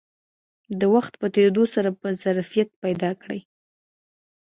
د وخت په تېرېدو سره به ظرفیت پیدا کړي